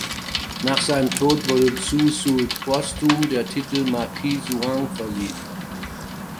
Nach seinem Tod wurde Xu Zhu postum der Titel "Marquis Zhuang" verliehen.